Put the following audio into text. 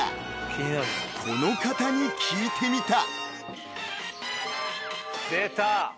［この方に聞いてみた］